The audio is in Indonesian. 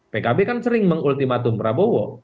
pkb kan sering mengultimatum prabowo